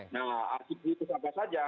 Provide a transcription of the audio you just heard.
nah akibatnya itu apa saja